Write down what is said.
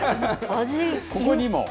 ここにも？